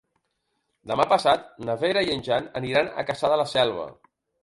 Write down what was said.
Demà passat na Vera i en Jan aniran a Cassà de la Selva.